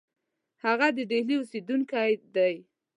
هغه د ډهلي اوسېدونکی دی.